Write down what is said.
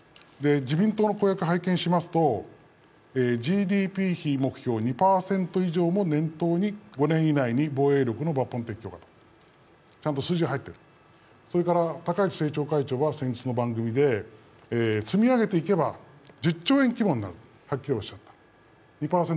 自民党の公約を拝見しますとＧＤＰ比目標２％以上目標を念頭に５年以内に防衛力の抜本的強化と、ちゃんと数字が入っている、それから高市政調会長は積み上げていけば１０兆円規模になる、はっきりおっしゃっている。